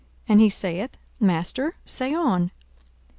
And he saith, Master, say on.